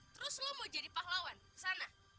terus lo mau jadi pahlawan kesana